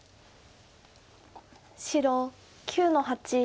白９の八。